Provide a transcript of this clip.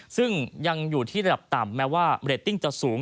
ซึ่งยังอยู่ที่ระดับต่ำแม้ว่าเรตติ้งจะสูง